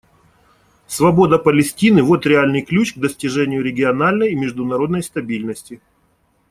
Свобода Палестины — вот реальный ключ к достижению региональной и международной стабильности.